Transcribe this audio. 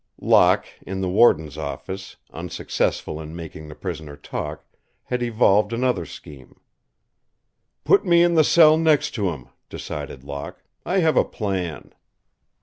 Locke in the warden's office, unsuccessful in making the prisoner talk, had evolved another scheme. "Put me in the cell next to him," decided Locke. "I have a plan."